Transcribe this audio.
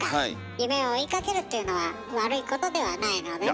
夢を追いかけるっていうのは悪いことではないのでね。